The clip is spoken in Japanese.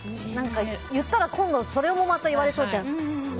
言ったら今度それもまた言われそうじゃん。